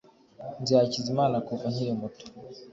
nzi hakizimana kuva nkiri muto